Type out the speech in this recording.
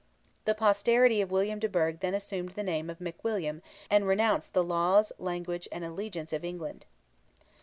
The posterity of William de Burgh then assumed the name of McWilliam, and renounced the laws, language, and allegiance of England.